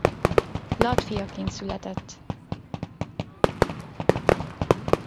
Vlad fiaként született.